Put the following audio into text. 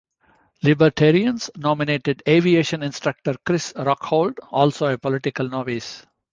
Libertarians nominated aviation instructor Chris Rockhold, also a political novice.